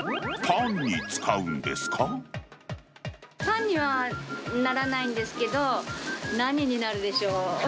パンにはならないんですけど、何になるでしょう？